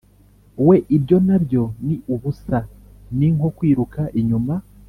we Ibyo na byo ni ubusa ni nko kwiruka inyuma